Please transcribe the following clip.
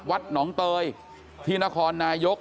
วัดหนองเตยที่นครนายก